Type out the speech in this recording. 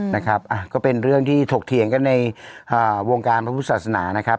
นะครับก็เป็นเรื่องที่ถกเถียงกันในวงการพระพุทธศาสนานะครับ